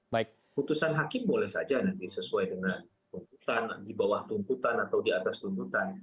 putusan hakim boleh saja nanti sesuai dengan tuntutan di bawah tuntutan atau di atas tuntutan